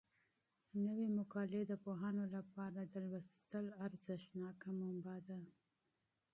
نوي مقالې د پوهانو لپاره د مطالعې ارزښتناکه منبع ده.